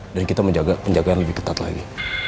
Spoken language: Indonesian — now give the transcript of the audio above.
dan kita menjaga penjagaan lebih ketat lagi